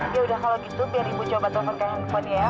ya udah kalau gitu biar ibu coba telepon ke handphone ya